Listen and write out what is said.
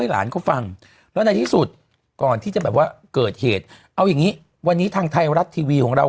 หลานเขาฟังแล้วในที่สุดก่อนที่จะแบบว่าเกิดเหตุเอาอย่างนี้วันนี้ทางไทยรัฐทีวีของเรา